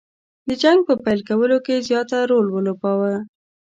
د جنګ په پیل کولو کې زیات رول ولوباوه.